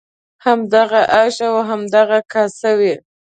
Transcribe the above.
همدغه آش او همدغه کاسه وي.